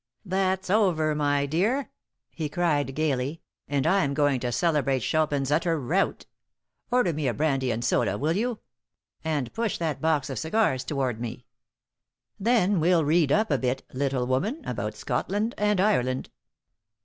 "That's over, my dear!" he cried, gaily, "and I'm going to celebrate Chopin's utter rout. Order me a brandy and soda, will you? and push that box of cigars toward me. Then we'll read up a bit, little woman, about Scotland and Ireland.